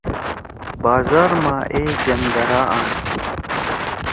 بازار ما اے جندرا آن۔